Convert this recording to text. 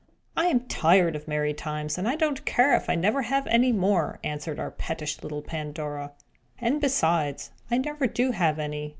"I am tired of merry times, and don't care if I never have any more!" answered our pettish little Pandora. "And, besides, I never do have any.